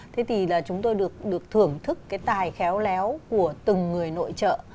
thế thì là chúng tôi được thưởng thức cái tài khéo léo của từng người nội trợ